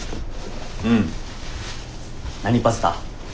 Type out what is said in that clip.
うん。何パスタ？